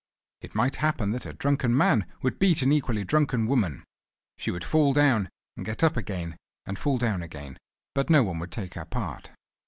It might happen that a drunken man would beat an equally drunken woman. She would fall down, and get up again, and fall down again, but no one would take her part.